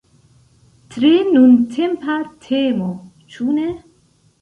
Tre nuntempa temo, ĉu ne?